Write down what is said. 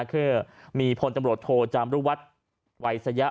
คือมีพลตำรวจโทจามรุวัฒน์วัยสยะ